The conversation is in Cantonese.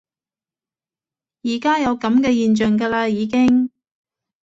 而家有噉嘅現象㗎啦已經